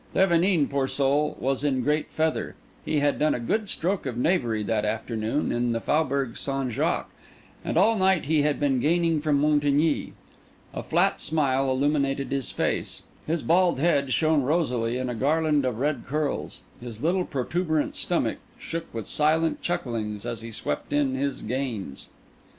Thevenin, poor soul, was in great feather: he had done a good stroke of knavery that afternoon in the Faubourg St. Jacques, and all night he had been gaining from Montigny. A flat smile illuminated his face; his bald head shone rosily in a garland of red curls; his little protuberant stomach shook with silent chucklings as he swept in his gains.